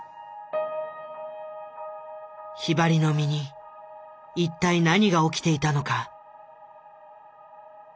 ひばりの身に一体何が起きていたのか？